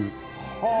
はあ。